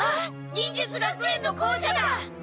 忍術学園の校舎だ！